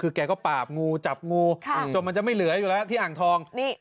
คือแกก็ปาบงูจับงูจนมันจะไม่เหลืออยู่แล้วที่อ่างทอง